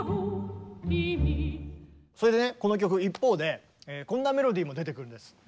それでねこの曲一方でこんなメロディーも出てくるんです。